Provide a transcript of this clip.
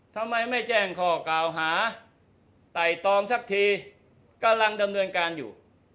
ทำไมไม่แจ้งข้อกล่าวหาไต่ตองสักทีกำลังดำเนินการอยู่